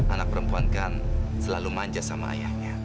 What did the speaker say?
anak perempuan kan selalu manja sama ayahnya